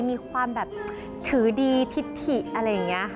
มีความแบบถือดีทิศถิอะไรอย่างนี้ค่ะ